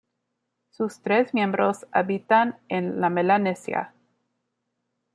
Sus tres miembros habitan en la Melanesia.